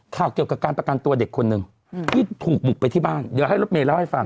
เกี่ยวกับการประกันตัวเด็กคนหนึ่งที่ถูกบุกไปที่บ้านเดี๋ยวให้รถเมย์เล่าให้ฟัง